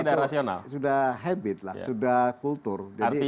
jadi memang saya kira ini sudah habit sudah kultur